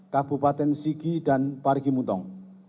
kabupaten sigi dan pari gemuntong